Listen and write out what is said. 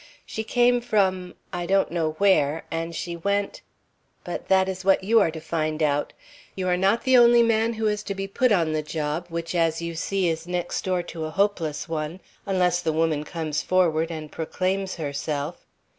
She came from, I don't know where, and she went but that is what you are to find out. You are not the only man who is to be put on the job, which, as you see, is next door to a hopeless one, unless the woman comes forward and proclaims herself.